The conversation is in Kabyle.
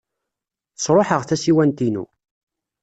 Sṛuḥeɣ tasiwant-inu.